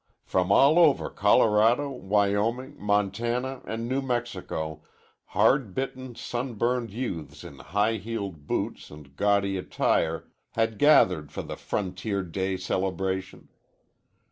From all over Colorado, Wyoming, Montana, and New Mexico hard bitten, sunburned youths in high heeled boots and gaudy attire had gathered for the Frontier Day celebration.